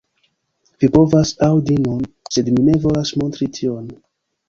Vi povas aŭdi nun, sed mi ne volas montri tion.